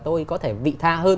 tôi có thể vị tha hơn